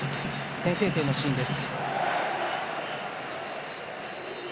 先制点のシーンです。